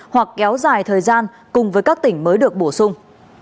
hoặc kéo dài thời gian cùng với các tỉnh mới được bổ sung